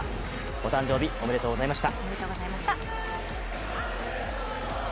お誕生日おめでとうございました。